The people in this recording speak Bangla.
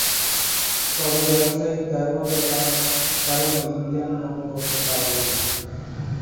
তবে, ব্যবসায়িক দায়বদ্ধতার কারণে ইংল্যান্ড গমন করতে পারেননি।